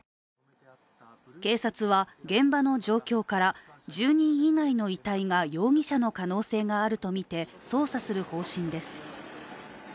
警察は現場の状況から、住人以外の遺体が容疑者の可能性があるとみて捜査する方針です